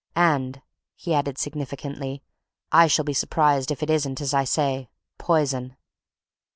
And," he added significantly, "I shall be surprised if it isn't as I say poison!"